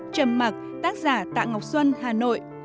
trầm mặc tác giả tạ ngọc xuân hà nội